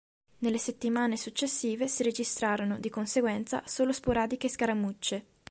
Nelle settimane successive si registrarono, di conseguenza, solo sporadiche scaramucce.